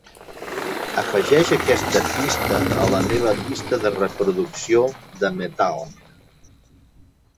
Afegeix aquesta pista a la meva llista de reproducció de "metal"